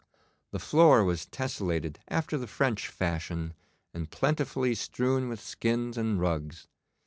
The floor was tesselated after the French fashion, and plentifully strewn with skins and rugs.